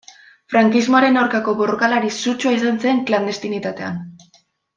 Frankismoaren aurkako borrokalari sutsua izan zen klandestinitatean.